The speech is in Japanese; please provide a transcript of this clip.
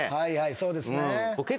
そうですね。